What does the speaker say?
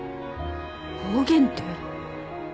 暴言って。